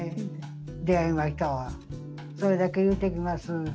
それだけ言うときます。